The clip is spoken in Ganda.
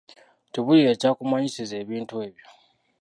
Tubuulire ebyakumanyisizza ebintu ebyo.